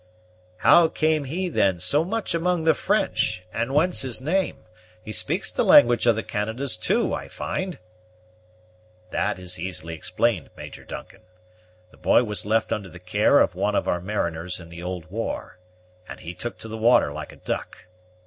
"How came he then so much among the French, and whence his name? He speaks the language of the Canadas, too, I find." "That is easily explained, Major Duncan. The boy was left under the care of one of our mariners in the old war, and he took to the water like a duck.